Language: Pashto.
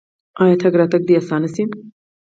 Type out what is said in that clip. آیا تګ راتګ دې اسانه نشي؟